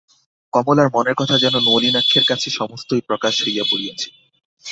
কমলার মনের কথা যেন নলিনাক্ষের কাছে সমস্তই প্রকাশ হইয়া পড়িয়াছে।